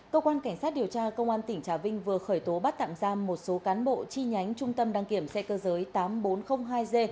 cơ quan cảnh sát điều tra công an tỉnh trà vinh vừa khởi tố bắt tạm giam một số cán bộ chi nhánh trung tâm đăng kiểm xe cơ giới tám nghìn bốn trăm linh hai g